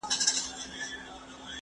زه اجازه لرم چي سبزیحات جمع کړم!؟